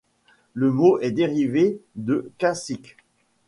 Le mot est dérivé de cacique.